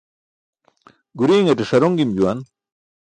Guriinate ṣaron gim juwan.